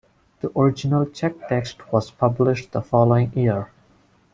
The original Czech text was published the following year.